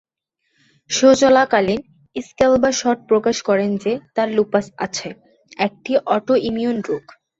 Show চলাকালীন, স্কেলবা-শর্ট প্রকাশ করেন যে তার লুপাস আছে, একটি অটোইমিউন রোগ।